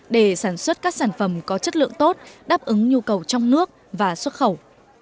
để sản xuất các sản phẩm có chất lượng tốt đáp ứng nhu cầu trong nước và xuất khẩu